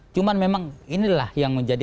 cuman memang inilah yang menjadi